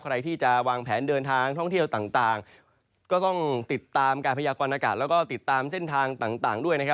ใครที่จะวางแผนเดินทางท่องเที่ยวต่างก็ต้องติดตามการพยากรณากาศแล้วก็ติดตามเส้นทางต่างด้วยนะครับ